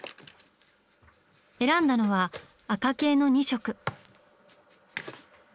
選んだのは赤系の２色。